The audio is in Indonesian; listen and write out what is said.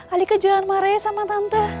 alika jangan marah ya sama tante